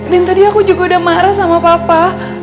dan tadi aku juga udah marah sama papa